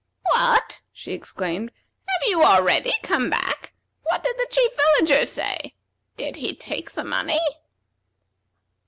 "What!" she exclaimed; "have you already come back? What did the Chief Villager say? Did he take the money?"